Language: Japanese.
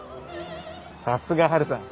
さすがハルさん